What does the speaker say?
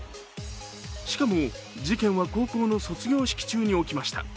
しかも事件は高校の卒業式中に起きました。